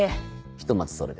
ひとまずそれで。